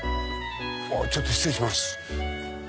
ちょっと失礼します。